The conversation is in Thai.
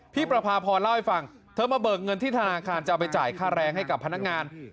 ประพาพรเล่าให้ฟังเธอมาเบิกเงินที่ธนาคารจะเอาไปจ่ายค่าแรงให้กับพนักงาน